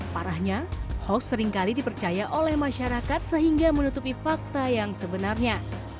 parahnya hoax seringkali dipercaya oleh masyarakat sehingga menutupi fakta yang sebenarnya